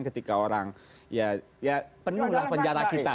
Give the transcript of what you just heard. ketika orang ya penuh lah penjara kita